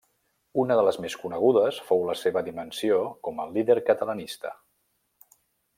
Una de les més conegudes fou la seva dimensió com a líder catalanista.